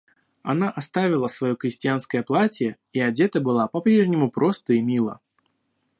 Она оставила свое крестьянское платье и одета была по-прежнему просто и мило.